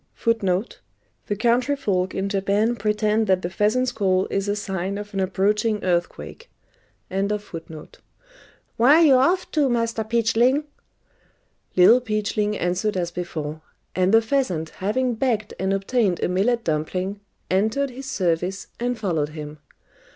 [Footnote 54: The country folk in Japan pretend that the pheasant's call is a sign of an approaching earthquake.] Little Peachling answered as before; and the pheasant, having begged and obtained a millet dumpling, entered his service, and followed him.